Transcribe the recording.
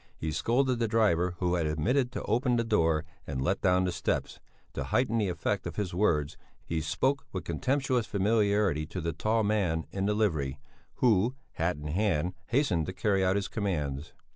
He scolded the driver who had omitted to open the door and let down the steps; to heighten the effect of his words, he spoke with contemptuous familiarity to the tall man in livery who, hat in hand, hastened to carry out his commands.